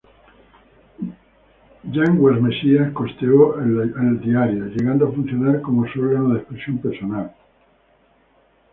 Yanguas Messía costeó al diario, llegando a funcionar como su órgano de expresión personal.